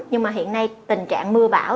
nhưng mà hiện nay tình trạng mưa bão